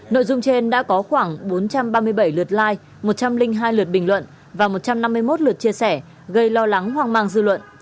nội dung trên đã có khoảng bốn trăm ba mươi bảy lượt like một trăm linh hai lượt bình luận và một trăm năm mươi bảy lượt bình luận